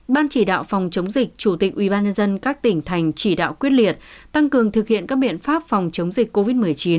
ban chỉ đạo phòng chống dịch chủ tịch ubnd các tỉnh thành chỉ đạo quyết liệt tăng cường thực hiện các biện pháp phòng chống dịch covid một mươi chín